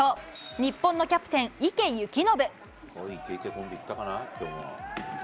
日本のキャプテン、池透暢。